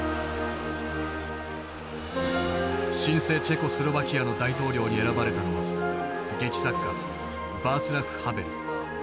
新生チェコスロバキアの大統領に選ばれたのは劇作家バーツラフ・ハベル。